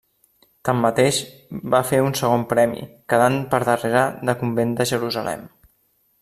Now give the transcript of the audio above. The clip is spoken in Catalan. Tanmateix, va fer un segon premi, quedant per darrere de Convent de Jerusalem.